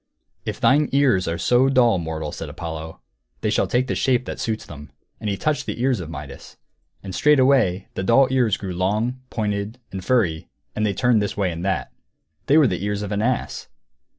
"If thine ears are so dull, mortal," said Apollo, "they shall take the shape that suits them." And he touched the ears of Midas. And straightway the dull ears grew long, pointed, and furry, and they turned this way and that. They were the ears of an ass!